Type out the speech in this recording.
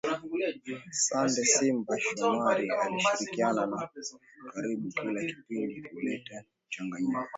Sunday Simba Shomari alishirikiana na karibu kila kipindi kuleta mchangayiko